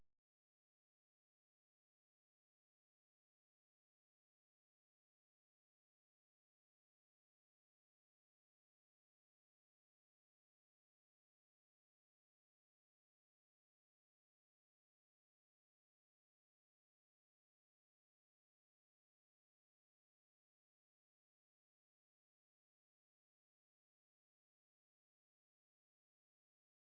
gu breaknya dah